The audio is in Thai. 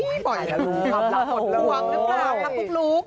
ความห่วงหรือเปล่าครับปุ๊กลุ๊ก